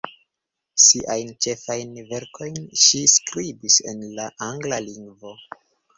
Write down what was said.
Siajn ĉefajn verkojn ŝi skribis en la angla lingvo.